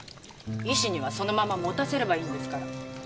石にはそのまま持たせればいいんですから。